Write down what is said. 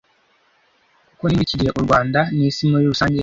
kuko ni muri iki gihe u Rwanda n’isi muri rusange